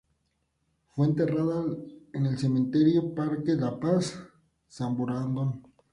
Fue enterrada en el cementerio Parque de la Paz, en Samborondón.